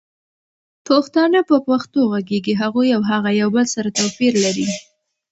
پښتانه په پښتو غږيږي هغوي او هغه يو بل سره توپير لري